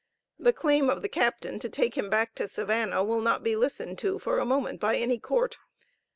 The claim of the captain to take him back to Savannah, will not be listened to for a moment by any court.